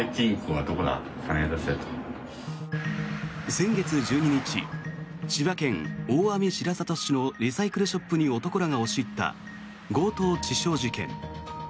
先月１２日千葉県大網白里市のリサイクルショップに男らが押し入った強盗致傷事件。